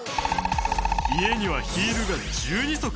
家にはヒールが１２足。